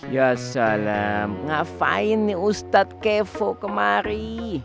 ya salam ngafain nih ustadz kevo kemari